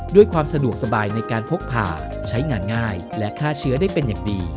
ด้วยความสะดวกสบายในการพกผ่าใช้งานง่ายและฆ่าเชื้อได้เป็นอย่างดี